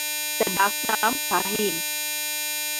তাঁর ডাক নাম শাহীন।